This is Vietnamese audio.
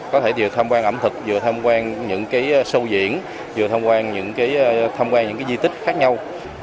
có thể vừa tham quan ẩm thực vừa tham quan những cái show diễn vừa tham quan những cái di tích khác nhau